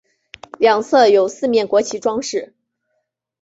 两侧有四面国旗装饰。